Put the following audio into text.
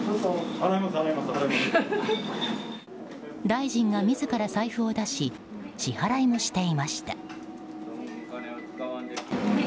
大臣が自ら財布を出し支払いをしていました。